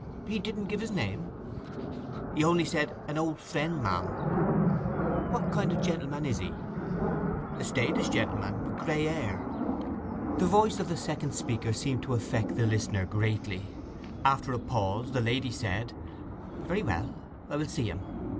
'He didn't give his name?' 'He only said "an old friend," ma'am.' 'What kind of gentleman is he?' 'A staidish gentleman, with gray hair.' The voice of the second speaker seemed to affect the listener greatly. After a pause, the lady said, 'Very well, I will see him.